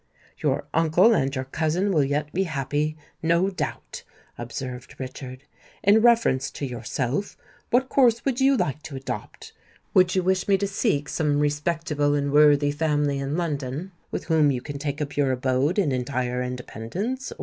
"Your uncle and your cousin will yet be happy—no doubt," observed Richard. "In reference to yourself, what course would you like to adopt? Would you wish me to seek some respectable and worthy family in London, with whom you can take up your abode in entire independence?